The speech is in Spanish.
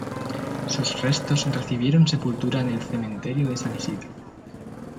Sus restos recibieron sepultura en el cementerio de San Isidro.